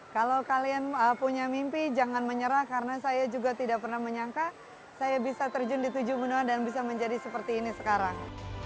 kalau kalian punya mimpi jangan menyerah karena saya juga tidak pernah menyangka saya bisa terjun di tujuh benua dan bisa menjadi seperti ini sekarang